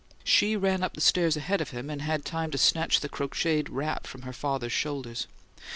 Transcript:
She ran up the stairs ahead of him, and had time to snatch the crocheted wrap from her father's shoulders.